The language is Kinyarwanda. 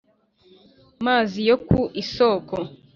mazi yo ku isoko